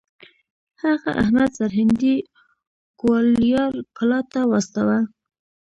هغه احمد سرهندي ګوالیار کلا ته واستوه.